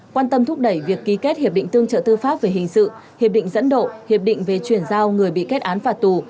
quan tâm thúc đẩy việc ký kết hiệp định tương trợ tư pháp về hình sự hiệp định dẫn độ hiệp định về chuyển giao người bị kết án phạt tù